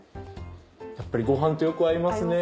やっぱりご飯とよく合いますね。